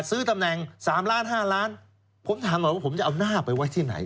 ซื้อตำแหน่ง๓ล้าน๕ล้านผมถามหน่อยว่าผมจะเอาหน้าไปไว้ที่ไหน